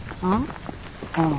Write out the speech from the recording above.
うん。